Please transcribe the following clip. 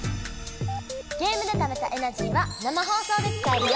ゲームでためたエナジーは生放送で使えるよ！